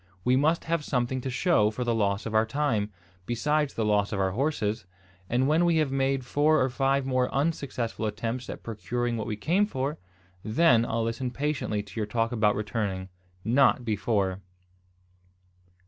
We must have something to show for the loss of our time, besides the loss of our horses; and when we have made four or five more unsuccessful attempts at procuring what we came for, then I'll listen patiently to your talk about returning, not before."